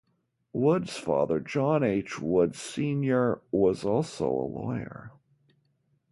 Wood's father, John H. Wood Senior was also a lawyer.